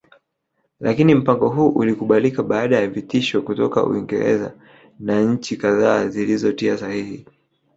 lakini mpango huu ulikubalika baada ya vitisho kutoka Uingereza na nchi kadha zilizotia sahihi